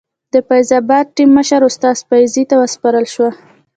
د فیض اباد ټیم مشر استاد فیضي ته وسپارل شوه.